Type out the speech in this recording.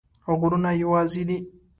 غرونه یوازي دي